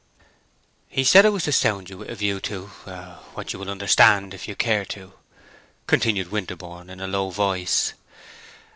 "He said I was to sound you with a view to—what you will understand, if you care to," continued Winterborne, in a low voice.